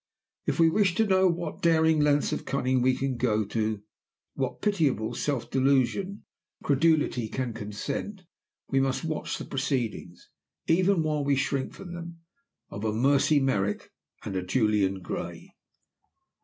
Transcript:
If we wish to know to what daring lengths cunning can go, to what pitiable self delusion credulity can consent, we must watch the proceedings even while we shrink from them of a Mercy Merrick and a Julian Gray.